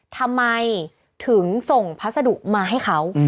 ทำไมถึงส่งพัสดุมาให้เขา